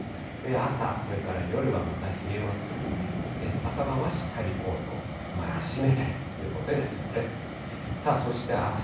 朝、それから夜はまた冷えますので、朝晩はしっかり、コートの前を閉めてということになりそうです。